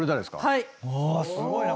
はい。